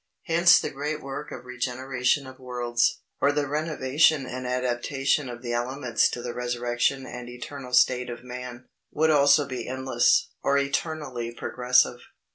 Hence the great work of regeneration of worlds, or the renovation and adaptation of the elements to the resurrection and eternal state of man, would also be endless, or eternally progressive.